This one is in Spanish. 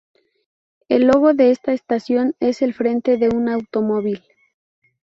El logo de esta estación es el frente de un automóvil.